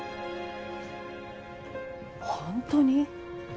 本当に？